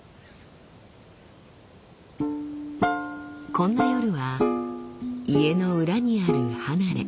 こんな夜は家の裏にある離れ